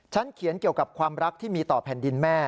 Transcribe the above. เขียนเกี่ยวกับความรักที่มีต่อแผ่นดินแม่